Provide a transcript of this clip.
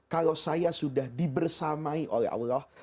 kalau saya sudah dibersamai oleh allah